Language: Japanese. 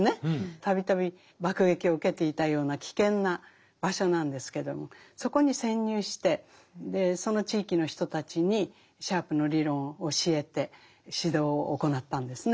度々爆撃を受けていたような危険な場所なんですけどもそこに潜入してその地域の人たちにシャープの理論を教えて指導を行ったんですね。